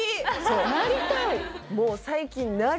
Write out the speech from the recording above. なりたい？